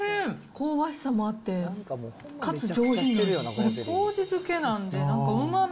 香ばしさもあって、かつ上品な味。